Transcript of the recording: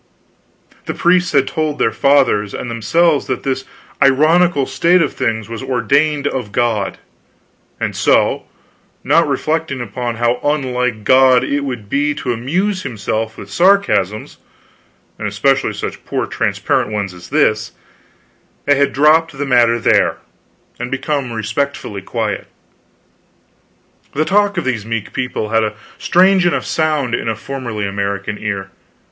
The priests had told their fathers and themselves that this ironical state of things was ordained of God; and so, not reflecting upon how unlike God it would be to amuse himself with sarcasms, and especially such poor transparent ones as this, they had dropped the matter there and become respectfully quiet. The talk of these meek people had a strange enough sound in a formerly American ear.